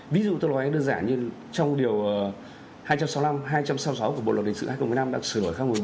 ví dụ tôi nói đơn giản như trong điều hai trăm sáu mươi năm hai trăm sáu mươi sáu của bộ luật đình sự hai nghìn một mươi năm đang sửa hỏi khắc một mươi bảy